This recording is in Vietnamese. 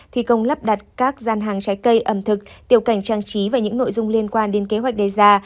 thi công lắp đặt các gian hàng trái cây ẩm thực tiểu cảnh trang trí và những nội dung liên quan đến kế hoạch đề ra